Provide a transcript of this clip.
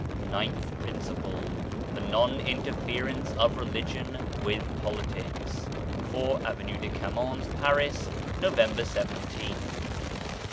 NINTH PRINCIPLE THE NON INTERFERENCE OF RELIGION WITH POLITICS 4, Avenue de Camoens, Paris, November xjth.